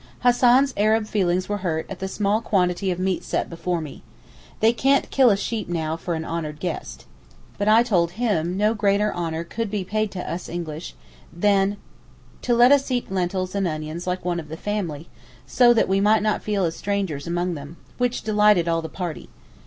Hassan's Arab feelings were hurt at the small quantity of meat set before me. (They can't kill a sheep now for an honoured guest.) But I told him no greater honour could be paid to us English than to let us eat lentils and onions like one of the family, so that we might not feel as strangers among them—which delighted all the party.